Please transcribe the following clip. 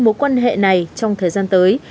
mối quan hệ này trong thời gian tới